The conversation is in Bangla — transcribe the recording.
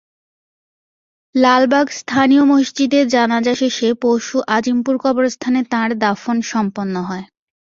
লালবাগ স্থানীয় মসজিদে জানাজা শেষে পরশু আজিমপুর কবরস্থানে তাঁর দাফন সম্পন্ন হয়।